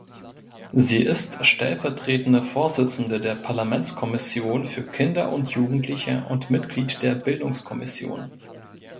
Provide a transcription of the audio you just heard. Sie ist stellvertretende Vorsitzende der Parlamentskommission für Kinder und Jugendliche und Mitglied der Bildungskommission.